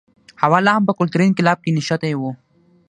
هوا لا هم په کلتوري انقلاب کې نښتی و.